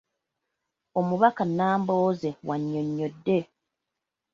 Omubaka Nambooze bw’annyonnyodde.